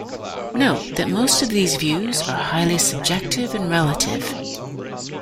Note that most of these views are highly subjective and relative.